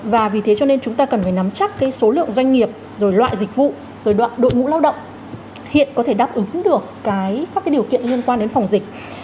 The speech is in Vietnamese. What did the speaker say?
và vì thế cho nên chúng ta cần phải nắm chắc số lượng doanh nghiệp rồi loại dịch vụ rồi đội ngũ lao động hiện có thể đáp ứng được các điều kiện liên quan đến phòng dịch